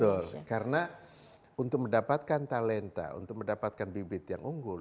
betul karena untuk mendapatkan talenta untuk mendapatkan bibit yang unggul